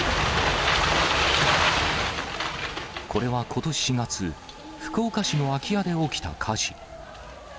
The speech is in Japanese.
これはことし４月、福岡市の空き家で起きた火事。